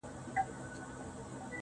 اې گوره تاته وايم~